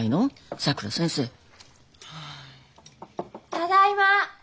・ただいま。